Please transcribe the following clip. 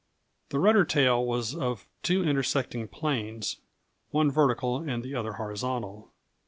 The rudder tail was of two intersecting planes, one vertical and the other horizontal.